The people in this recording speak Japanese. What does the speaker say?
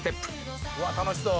「うわっ楽しそう」